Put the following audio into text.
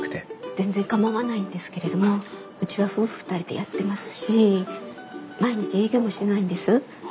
全然構わないんですけれどもうちは夫婦２人でやってますし毎日営業もしてないんです。